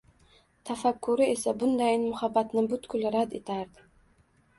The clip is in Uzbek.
Tafakkuri esa bundayin muhabbatni butkul rad etardi